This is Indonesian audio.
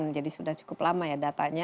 jadi sudah cukup lama ya datanya